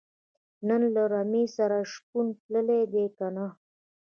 نن له رمې سره شپون تللی دی که نۀ